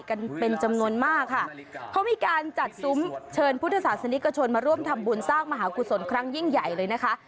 กันเป็นจำนวนมากค่ะเขามีการจัดซุ้มเชิญพุทธศาสนิกชนมาร่วมทำบุญสร้างมหากุศลครั้งยิ่งใหญ่เลยนะคะ